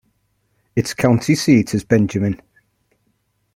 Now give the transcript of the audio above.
Its county seat is Benjamin.